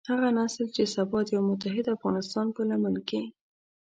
هغه نسل چې سبا د يوه متحد افغانستان په لمن کې.